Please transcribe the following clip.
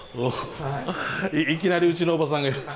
いきなりうちのおばさんが。